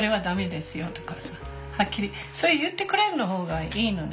それ言ってくれる方がいいのね。